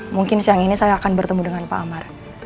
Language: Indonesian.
mungkin siang ini saya akan bertemu dengan pak amar